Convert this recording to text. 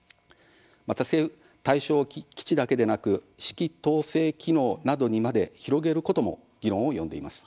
また、対象を基地だけでなく指揮統制機能などにまで広げることも議論を呼んでいます。